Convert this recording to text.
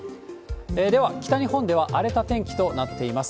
では、北日本では荒れた天気となっています。